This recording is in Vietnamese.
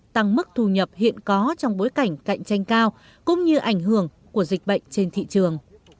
tăng mức thu nhập hiện có trong bối cảnh cạnh tranh cao cũng như ảnh hưởng của dịch bệnh trên thị trường